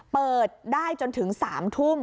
เปิดได้จนถึง๓ทุ่ม